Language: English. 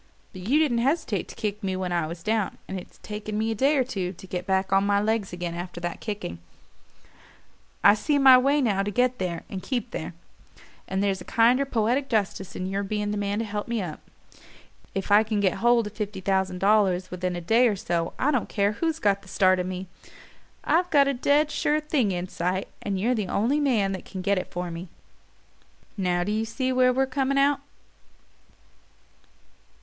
But you didn't hesitate to kick me when I was down and it's taken me a day or two to get on my legs again after that kicking. I see my way now to get there and keep there; and there's a kinder poetic justice in your being the man to help me up. If I can get hold of fifty thousand dollars within a day or so I don't care who's got the start of me. I've got a dead sure thing in sight, and you're the only man that can get it for me. Now do you see where we're coming out?"